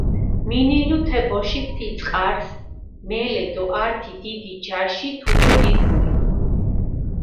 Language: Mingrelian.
მინილუ თე ბოშიქ თი წყარს მელე დო ართი დიდი ჯაში თუდო დიფულჷ.